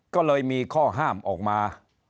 ก็เลยมีข้อห้ามออกมา